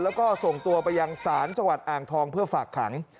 แล้วก็ส่งตัวไปยังศาลจังหวัดอ่างทองเพื่อฝากขัง